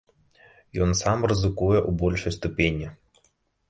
Ён сам рызыкуе ў большай ступені!